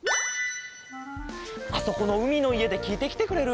あそこのうみのいえできいてきてくれる？